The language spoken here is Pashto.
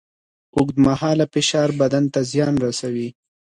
اوږدمهاله فشار بدن ته زیان رسوي.